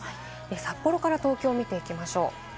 札幌から東京を見ていきます。